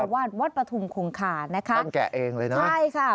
วาดวัดปฐุมคงคานะคะท่านแกะเองเลยนะใช่ค่ะ